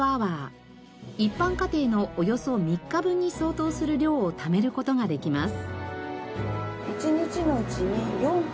一般家庭のおよそ３日分に相当する量をためる事ができます。